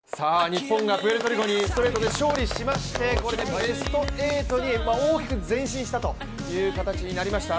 日本がプエルトリコにストレートで勝利しまして、これでベスト８に大きく前進したという形になりました。